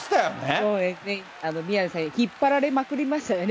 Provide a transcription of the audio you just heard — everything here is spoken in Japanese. そうですね、宮根さん、引っ張られまくりましたよね。